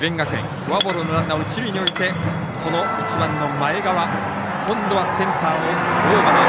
フォアボールのランナーを一塁に置いて、１番の前川今度はセンターをオーバー。